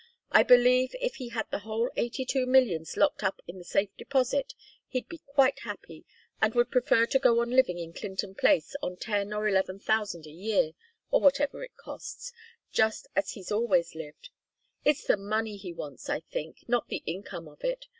I believe if he had the whole eighty two millions locked up in the Safe Deposit, he'd be quite happy, and would prefer to go on living in Clinton Place on ten or eleven thousand a year or whatever it costs just as he's always lived. It's the money he wants, I think, not the income of it.